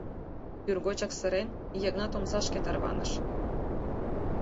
Тӱргочак сырен, Йыгнат омсашке тарваныш.